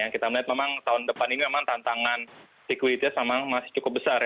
kita melihat memang tahun depan ini tantangan likuiditas masih cukup besar